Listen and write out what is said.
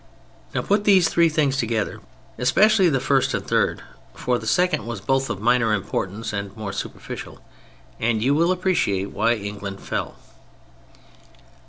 Now put these three things together, especially the first and third (for the second was both of minor importance and more superficial), and you will appreciate why England fell.